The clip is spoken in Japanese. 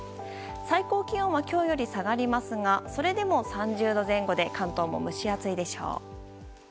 最高気温は今日より下がりますがそれでも３０度前後で関東も蒸し暑いでしょう。